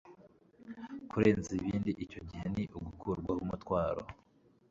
kurenza ibindi icyo gihe ni ugukurwaho umutwaro